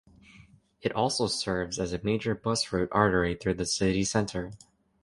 It also serves as a major bus route artery through the city centre.